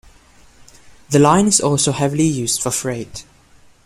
The line is also heavily used for freight.